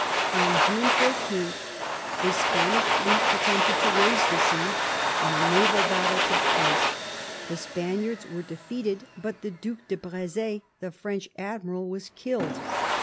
On June 14 a Spanish fleet attempted to raise the siege, and a naval battle took place. The Spaniards were defeated, but the Due de Br6z6, the French admiral, was killed.